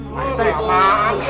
pak rete aman